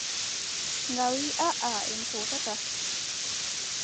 Nga wii: aaʼa en kootataa.